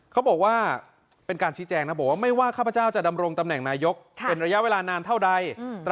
เขาบอกว่าเป็นการชี้แจงนะบอกว่าไม่ว่าข้าพเจ้าจะดำรงตำแหน่งนายกเป็นระยะเวลานานเท่าใด